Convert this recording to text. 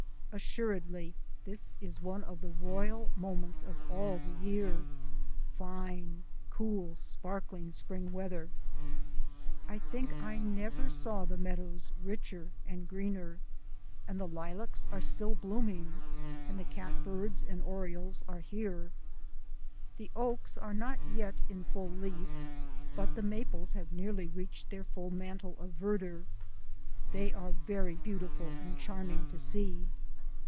Assuredly this is one of the royal moments of all the year fine, cool, sparkling spring weather. I think I never saw the meadows richer and greener and the lilacs are still blooming, and the catbirds and orioles are here. The oaks are not yet in full leaf, but the maples have nearly reached their full mantle of verdure they are very beautiful and charming to see.